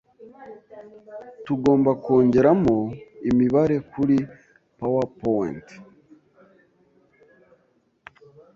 Tugomba kongeramo imibare kuri PowerPoint.